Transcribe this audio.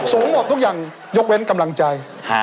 หมดทุกอย่างยกเว้นกำลังใจ